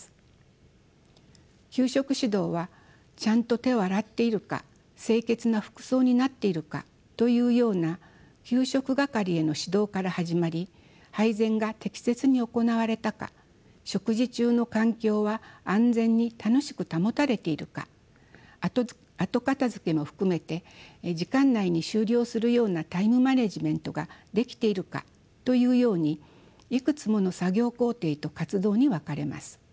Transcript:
給食指導はちゃんと手を洗っているか清潔な服装になっているかというような給食係への指導から始まり配膳が適切に行われたか食事中の環境は安全に楽しく保たれているか後片づけも含めて時間内に終了するようなタイムマネジメントができているかというようにいくつもの作業工程と活動に分かれます。